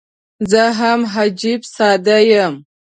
زه هم عجيب ساده یم.